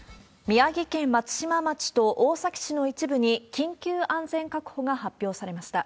宮城県松島町と大崎市の一部に、緊急安全確保が発表されました。